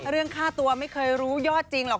เรื่องค่าตัวไม่เคยรู้ยอดจริงหรอก